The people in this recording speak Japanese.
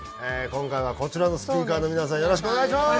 今回はこちらのスピーカーの皆さんよろしくお願いします。